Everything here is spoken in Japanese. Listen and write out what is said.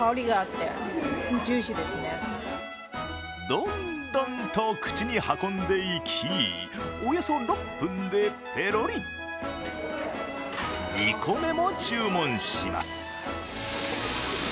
どんどんと口に運んでいきおよそ６分でペロリ、２個目も注文します。